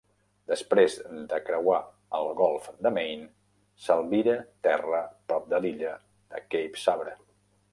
Després de creuar el golf de Maine, s'albira terra prop de l'illa de Cape Sabre.